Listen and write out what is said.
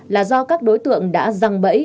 là do các đối tượng đã răng bẫy